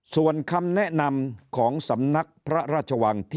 ส่วนคำแนะนำของสำนักพระราชวังที่